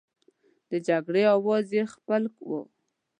د جګړې اوزار یې خپل وو.